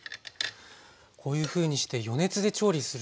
こういうふうにして余熱で調理するんですね。